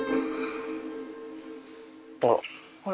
あら。